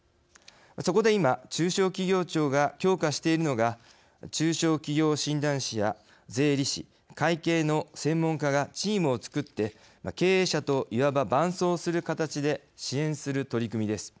そこで今、中小企業庁が強化しているのが中小企業診断士や税理士会計の専門家がチームを作って経営者といわば伴走する形で支援する取り組みです。